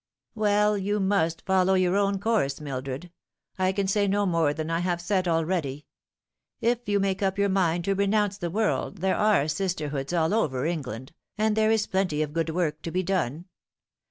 " Well, you must follow your own course, Mildred. I can say no more than I have said already. If you make up your mind to renounce the world there are sisterhoods all over Eng land, and there is plenty of good work to be done.